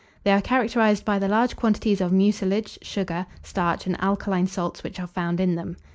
They are characterized by the large quantities of mucilage, sugar, starch, and alkaline salts which are found in them.